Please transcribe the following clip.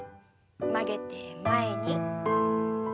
曲げて前に。